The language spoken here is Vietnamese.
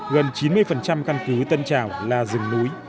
gần chín mươi căn cứ tân trào là rừng núi